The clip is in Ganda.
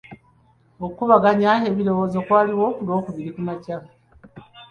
Okukubaganya ebirowoozo kwaliwo ku lwokubiri kumakya.